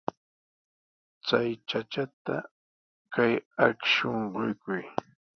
Chay chachata kay akshun quykuy.